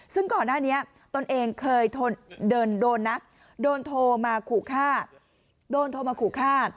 ซึ่งก่อนหน้านี้ตนเองเคยโดนโทรมาขู่ฆ่า